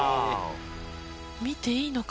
見ていいのか？